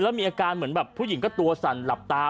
แล้วมีอาการเหมือนแบบผู้หญิงก็ตัวสั่นหลับตา